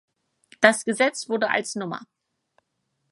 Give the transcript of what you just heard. Das Gesetz wurde als Nr.